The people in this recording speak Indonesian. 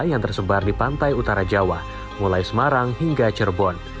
yang tersebar di pantai utara jawa mulai semarang hingga cirebon